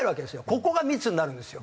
ここが密になるんですよ。